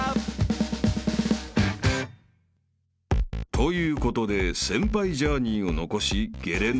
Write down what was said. ［ということで先輩ジャーニーを残しゲレンデ